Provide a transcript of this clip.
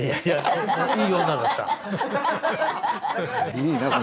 いいな。